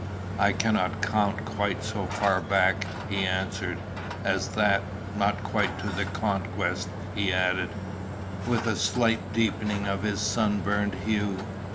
"I cannot count quite so far back," he answered, "as that not quite to the Conquest," he added, with a slight deepening of his sunburnt hue.